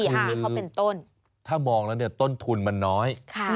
คือถ้าเป็นต้นคือถ้ามองละเนี่ยต้นทุนมันน้อยค่ะ